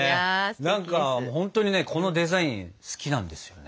何かほんとにねこのデザイン好きなんですよね。